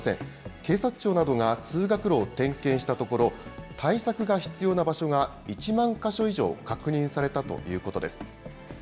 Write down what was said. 警察庁などが通学路を点検したところ、対策が必要な場所が１万か所以上確認されたということです。